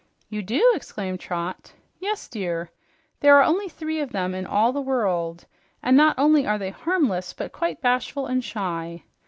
"You do!" exclaimed Trot. "Yes, dear. There are only three of them in all the world, and not only are they harmless, but quite bashful and shy.